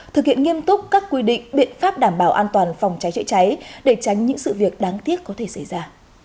thực hiện nghiêm túc các quy định biện pháp đảm bảo an toàn phòng cháy chữa cháy để tránh những sự việc đáng tiếc có thể xảy ra